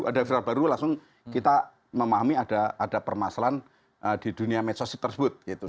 ada viral baru langsung kita memahami ada permasalahan di dunia medsos tersebut gitu